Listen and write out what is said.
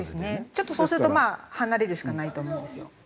ちょっとそうするとまあ離れるしかないと思うんですよ。